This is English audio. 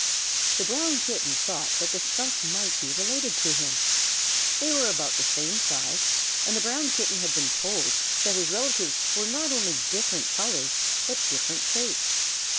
The Brown Kitten thought that the Skunk might be related to him. They were about the same size, and the Brown Kitten had been told that his relatives were not only different colors, but different shapes.